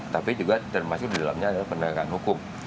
tapi juga termasuk di dalamnya adalah penegakan hukum